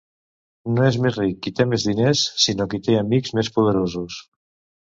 No és més ric qui té més diners, sinó qui té amics més poderosos.